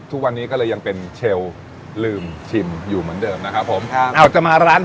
ทุกวันนี้ก็เลยยังเป็นเชลวลืมชิมอยู่เหมือนเดิมนะครับผม